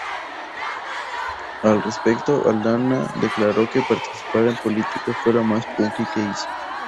Al respecto, Aldana declaró que participar en política fue lo más "punky" que hizo.